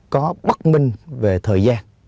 có bất minh về thời gian